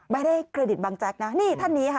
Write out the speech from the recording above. ไม่ได้ให้เครดิตบังจังนี่ท่านนี้ค่ะ